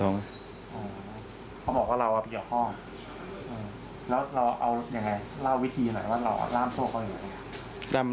แล้วเราเอาไงเล่าวิธีไหมว่าเราล้ำโซ่คนมีอีกเวลา